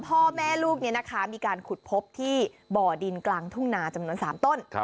พ่อแม่ลูกนี้นะคะมีการขุดพบที่บ่อดินกลางทุ่งนาจำนวน๓ต้น